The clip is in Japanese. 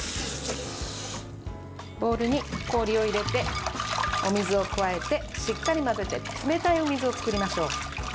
ボウルに氷を入れてお水を加えて、しっかり混ぜて冷たいお水を作りましょう。